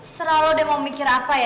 serah lo deh mau mikir apa ya